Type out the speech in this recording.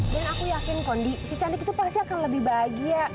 dan aku yakin kondi si cantik itu pasti akan lebih bahagia